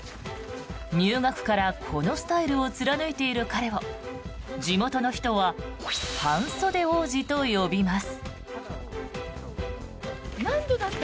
入学からこのスタイルを貫いている彼を地元の人は半袖王子と呼びます。